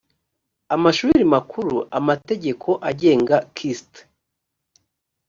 amashuri makuru amategeko agenga kist